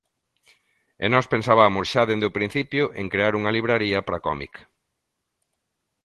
E nós pensabamos, xa dende o principio, en crear unha libraría para cómic.